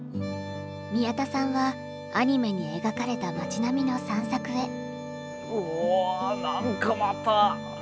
宮田さんはアニメに描かれた町並みの散策へ。